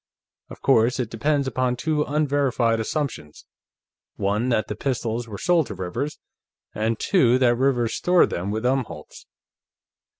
Of course, it depends upon two unverified assumptions: One, that the pistols were sold to Rivers, and, two, that Rivers stored them with Umholtz."